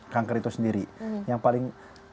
kanker itu sendiri yang paling